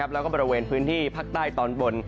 แล้วก็บริเวณพื้นที่ภาคใต้ตอนบน